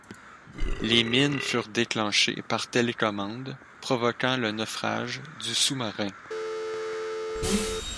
Les mines furent déclenchées par télécommande, provoquant le naufrage du sous-marin.